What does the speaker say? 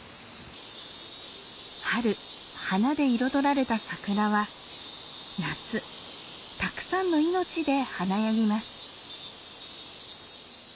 春花で彩られたサクラは夏たくさんの命で華やぎます。